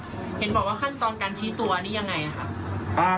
เห็นบอกว่าขั้นตอนการชี้ตัวนี่ยังไงครับ